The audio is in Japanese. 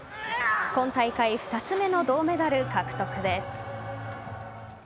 今大会２つ目の銅メダル獲得です。